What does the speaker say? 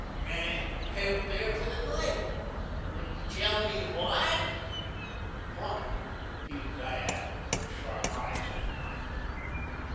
The man is camped there for the night. Will you tell me why?" "Why?" repeated Diane with her sharp eyes on the miner.